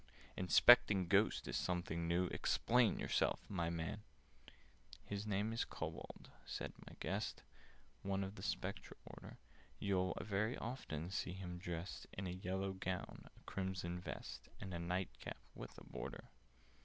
Inspecting Ghosts is something new! Explain yourself, my man!" "His name is Kobold," said my guest: "One of the Spectre order: You'll very often see him dressed In a yellow gown, a crimson vest, And a night cap with a border.